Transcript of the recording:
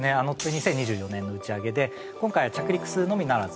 ２０２４年の打ち上げで今回は着陸するのみならずですね